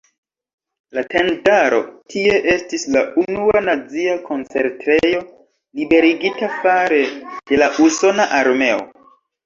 La tendaro tie estis la unua nazia koncentrejo liberigita fare de la usona armeo.